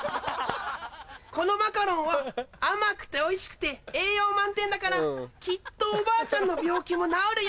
このマカロンは甘くておいしくて栄養満点だからきっとおばあちゃんの病気も治るよ！